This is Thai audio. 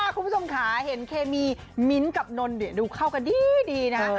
คุณผู้ชมค่ะเห็นเคมีมิ้นท์กับนนท์ดูเข้ากันดีนะ